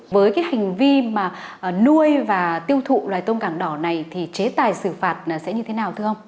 với cái hành vi mà nuôi và tiêu thụ loài tôm càng đỏ này thì chế tài xử phạt sẽ như thế nào thưa ông